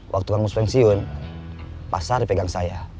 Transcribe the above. waktu kang mus pensiun pasar dipegang saya